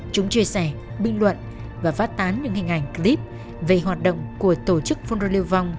chúng chia sẻ bình luận và phát tán những hình ảnh clip về hoạt động của tổ chức phun rô lưu vong